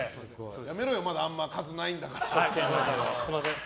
やめろよまだあんま数ないんだから。